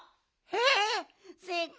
えっ！